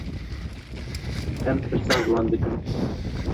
Em pirsan ji wan dikin.